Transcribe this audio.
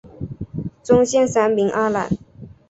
宗宪三名阿懒。